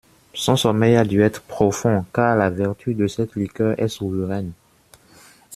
Son sommeil a dû être profond, car la vertu de cette liqueur est souveraine.